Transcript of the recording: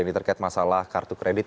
ini terkait masalah kartu kredit